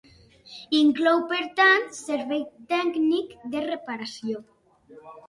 Inclou per tant servei tècnic de reparació.